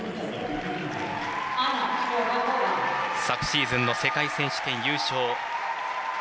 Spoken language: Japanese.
昨シーズンの世界選手権優勝。